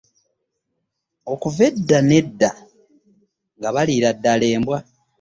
Okuva edda n'edda nga baliira ddala embwa.